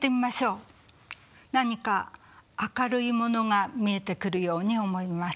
何か明るいものが見えてくるように思います。